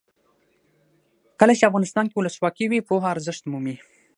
کله چې افغانستان کې ولسواکي وي پوهه ارزښت مومي.